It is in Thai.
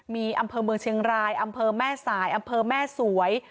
มีอำเภอเมืองเชียงรายอำเภอแม่สายอำเภอแม่สวย